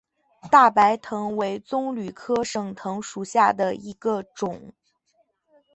大白藤为棕榈科省藤属下的一个种。